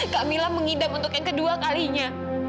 kamila mengidam untuk yang kedua kalinya